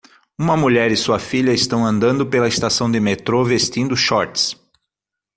Uma mulher e sua filha estão andando pela estação de metrô vestindo shorts